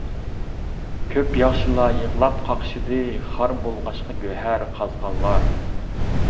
كۆپ ياخشىلار يىغلاپ قاقشىدى، خار بولغاچقا گۆھەر قازغانلار.